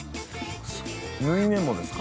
縫い目もですか？